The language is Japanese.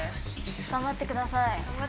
頑張ってください。